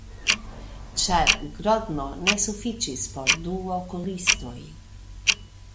Ĉar Grodno ne sufiĉis por du okulistoj.